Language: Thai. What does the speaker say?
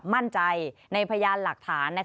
มั่นใจในพยานหลักฐาน